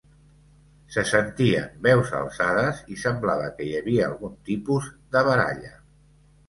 Se sentien veus alçades i semblava que hi havia algun tipus de baralla.